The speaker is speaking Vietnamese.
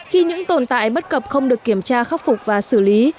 khi những tồn tại bất cập không được kiểm tra khắc phục và xử lý